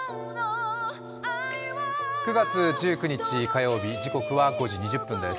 ９月１９日火曜日、時刻は５時２０分です。